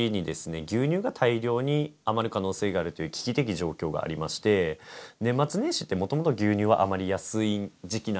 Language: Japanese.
牛乳が大量に余る可能性があるという危機的状況がありまして年末年始ってもともと牛乳は余りやすい時期なんですよ。